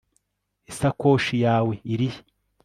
isakoshi yawe irihe